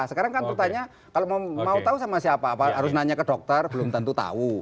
sekarang kan pertanyaan kalau mau tahu sama siapa harus nanya ke dokter belum tentu tahu